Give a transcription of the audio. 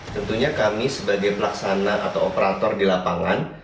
tentunya kami sebagai pelaksana atau operator di lapangan